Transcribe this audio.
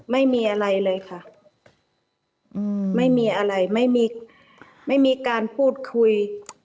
ไม่มีอะไรเลยค่ะไม่มีอะไรไม่มีการพูดคุย